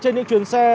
trên những chuyến xe